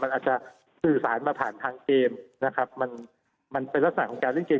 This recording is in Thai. มันอาจจะสื่อสารมาผ่านทางเกมนะครับมันมันเป็นลักษณะของการเล่นเกม